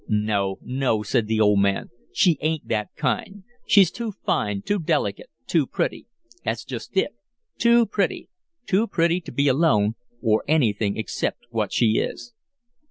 "No, no," said the old man. "She ain't that kind she's too fine, too delicate too pretty." "That's just it too pretty! Too pretty to be alone or anything except what she is."